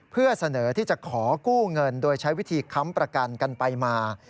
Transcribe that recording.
เพื่อเสนอที่จะขอกู้เงินโดยใช้วิธีค้ำประกันกันไปมา